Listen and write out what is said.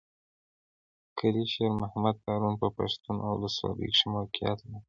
کلي شېر محمد تارڼ په پښتون اولسوالۍ کښې موقعيت لري.